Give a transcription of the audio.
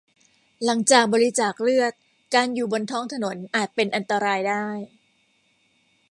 หลังจากบริจาคเลือดการอยู่บนท้องถนนอาจเป็นอันตรายได้